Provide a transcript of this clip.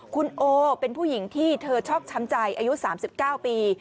คุณโอเป็นผู้หญิงที่เธอชอบช้ำใจอายุ๓๙ปี